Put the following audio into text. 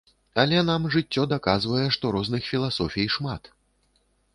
Але нам жыццё даказвае, што розных філасофій шмат.